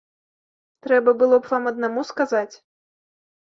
Трэба было б вам аднаму сказаць.